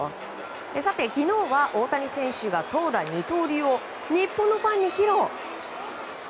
昨日は大谷選手が投打二刀流を日本のファンに披露。